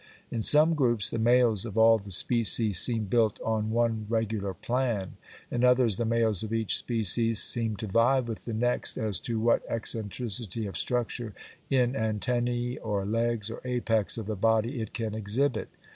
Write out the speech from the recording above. In some groups the males of all the species seem built on one regular plan in others the males of each species seem to vie with the next as to what eccentricity of structure in antennæ or legs or apex of the body it can exhibit.